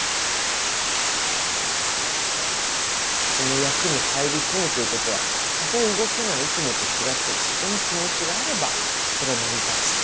その役に入り込むということはたとえ動きがいつもと違ってもそこに気持ちがあればそれは成り立つと。